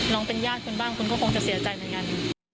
เป็นญาติคุณบ้างคุณก็คงจะเสียใจเหมือนกัน